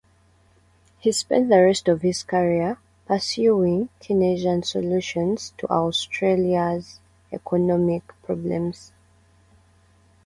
He spent the rest of his career pursuing Keynesian solutions to Australia's economic problems.